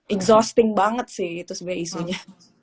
exhausting banget sih itu sebenarnya isunya